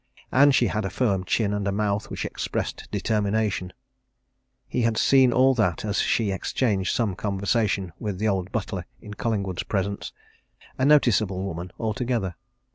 And she had a firm chin and a mouth which expressed determination; he had seen all that as she exchanged some conversation with the old butler in Collingwood's presence a noticeable woman altogether.